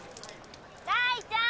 大ちゃん！